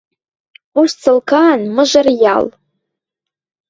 Ош цылкаан мыжыр ял